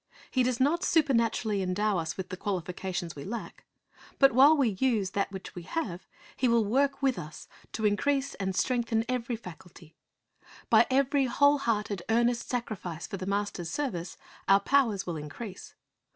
He does not supernaturally endow us with the qualifications we lack; but while we use that which we have, He will work with us to increase and strengthen every 23 354 Clirisf's Object Lessons faculty. By every whole hearted, earnest sacrifice for the Master's service, our powers will increase.